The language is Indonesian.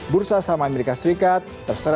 bursa sama amerika serikat terseret